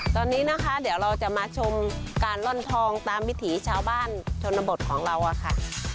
ตอนนี้นะคะเดี๋ยวเราจะมาชมการร่อนทองตามวิถีชาวบ้านชนบทของเราอะค่ะ